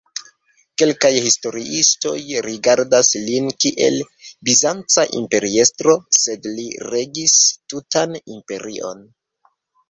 Kelkaj historiistoj rigardas lin kiel Bizanca imperiestro, sed li regis tutan imperion.